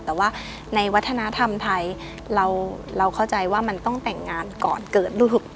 แต่ว่าในวัฒนธรรมไทยเราเข้าใจว่ามันต้องแต่งงานก่อนเกิดรูป